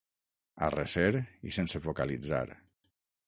A recer i sense vocalitzar.